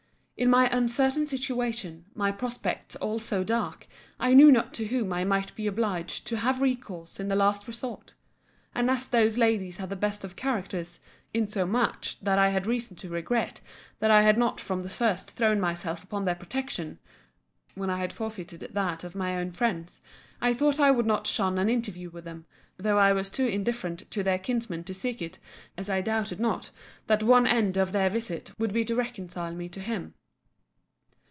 In my uncertain situation, my prospects all so dark, I knew not to whom I might be obliged to have recourse in the last resort: and as those ladies had the best of characters, insomuch that I had reason to regret that I had not from the first thrown myself upon their protection, (when I had forfeited that of my own friends,) I thought I would not shun an interview with them, though I was too indifferent to their kinsman to seek it, as I doubted not that one end of their visit would be to reconcile me to him.